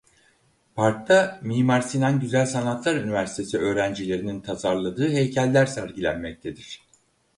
Parkta Mimar Sinan Güzel Sanatlar Üniversitesi öğrencilerinin tasarladığı heykeller sergilenmektedir.